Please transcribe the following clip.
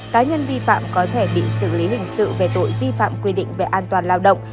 cá nhân vi phạm có thể bị xử lý hình sự về tội vi phạm quy định về an toàn lao động